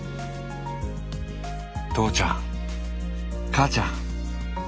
父ちゃん母ちゃん